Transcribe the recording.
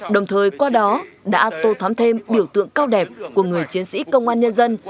đồng thời qua đó đã tô thắm thêm biểu tượng cao đẹp của người chiến sĩ công an nhân dân